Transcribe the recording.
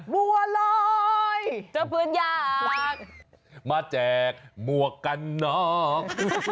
บัวลอยเจ้าปืนอยากมาแจกหมวกกันนอก